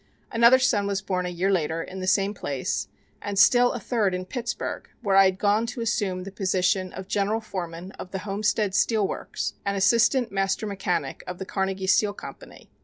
Another son was born a year later in the same place, and still a third in Pittsburgh, where I had gone to assume the position of general foreman of the Homestead Steel Works and assistant master mechanic of the Carnegie Steel Company.